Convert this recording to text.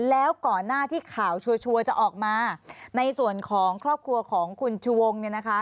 แล้วก่อนหน้าที่ข่าวชัวร์จะออกมาในส่วนของครอบครัวของคุณชูวงเนี่ยนะคะ